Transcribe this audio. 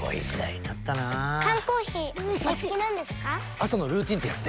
朝のルーティンってやつで。